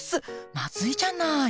まずいじゃない。